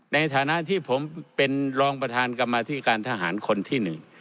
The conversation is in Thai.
ในฐานะที่ผมเป็นรองประธานกรรมธิการทหารคนที่หนึ่ง